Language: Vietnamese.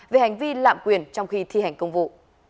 về hành vi lạm quyền trong khi thi hành công vụ